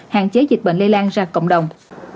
hạn chế dịch bệnh lây lan ra cộng đồng